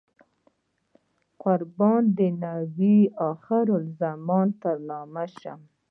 قربان د نبي اخر الزمان تر نامه شم.